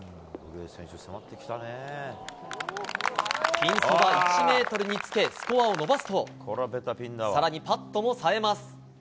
ピンそば１ｍにつけスコアを伸ばすと更にパットも冴えます。